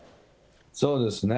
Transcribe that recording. そうですね。